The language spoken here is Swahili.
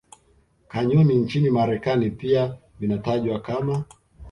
Canyon nchini Marekani pia vinatajwa kama